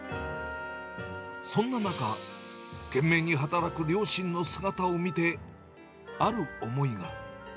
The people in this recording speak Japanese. そんな中、懸命に働く両親の姿を見て、ある思いが。